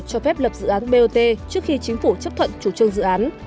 cho phép lập dự án bot trước khi chính phủ chấp thuận chủ trương dự án